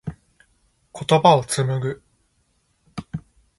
言葉を紡ぐ。